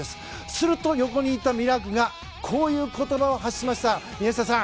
すると、横にいたミラークがこういう言葉を発しました。